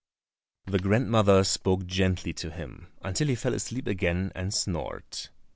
The grandmother spoke gently to him until he fell asleep again and snored.